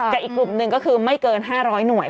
แต่อีกกลุ่มหนึ่งก็คือไม่เกิน๕๐๐หน่วย